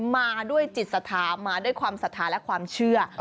มาด้วยจิตสาธารณ์มาด้วยความสาธารณ์และความเชื่อ